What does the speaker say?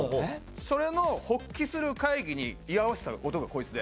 それの発起する会議に居合わせた男がこいつで。